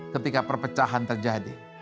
ketika perpecahan terjadi